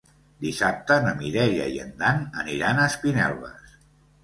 Dissabte na Mireia i en Dan aniran a Espinelves.